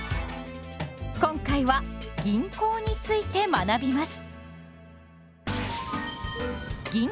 今回は「銀行」について学びます。